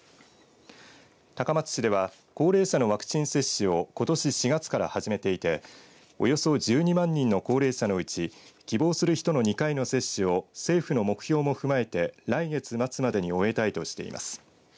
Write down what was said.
高松市では高齢者のワクチン接種をことし４月から始めていておよそ１２万人の高齢者のうち希望する人の２回の接種を政府の目標も踏まえて来月末までに終えたいとしています。